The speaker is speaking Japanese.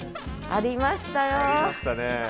ありましたね。